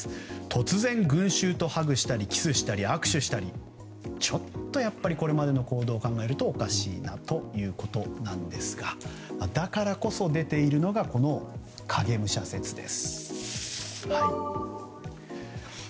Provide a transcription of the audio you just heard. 突然、群衆とハグしたりキスしたり握手したりちょっとやっぱりこれまでの行動を考えるとおかしいなということですがだからこそ、出ているのがこの影武者説です。